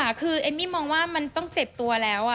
คือเอมมี่มองว่ามันต้องเจ็บตัวแล้ว